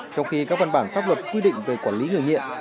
trong khi các văn bản pháp luật quy định về quản lý người nghiện